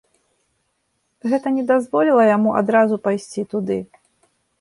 Гэта не дазволіла яму адразу пайсці туды.